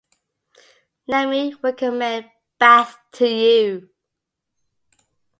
Let me recommend Bath to you.